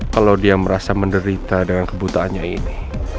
kalau dia merasa menderita dengan kebutaannya ini